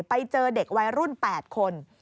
ไปเจอเด็กวัยรุ่น๘คน